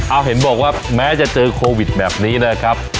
เอาเห็นบอกว่าแม้จะเจอโควิดแบบนี้นะครับ